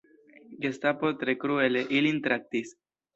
Gestapo tre kruele ilin traktis.